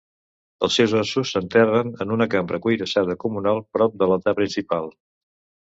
Els seus ossos s'enterren en una cambra cuirassada comunal prop de l'altar principal.